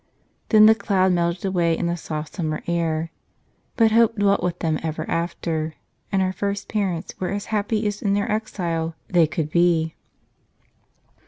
Then the cloud melted away in the soft summer air. But Hope dwelt with them ever after, and our first parents were as happy as in their exile they could be.